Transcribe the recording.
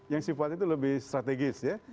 yang sifatnya itu lebih strategis ya